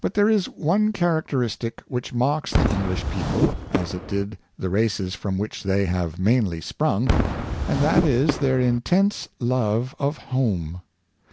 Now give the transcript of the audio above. But there is one characteristic which marks the English people, as it did the races from which they have mainly sprung, and that is their intense love of home.